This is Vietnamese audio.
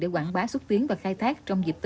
để quảng bá xuất tiến và khai thác